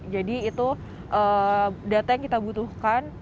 jadi itu data yang kita butuhkan